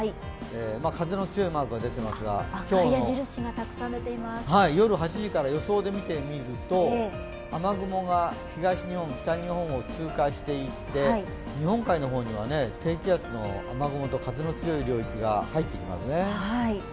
風の強いマークが出てますが、今日夜８時から予想で見てみると雨雲が東日本、北日本を通過していって日本海の方には低気圧の雨雲と風の強い領域が入ってきますね。